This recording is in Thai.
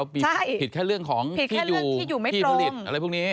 ผิดแค่เรื่องของที่อยู่ที่ผลิตอะไรพวกนี้